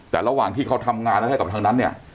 แต่ระหว่างที่เขาทำงานให้กับทางนั้นเนี่ย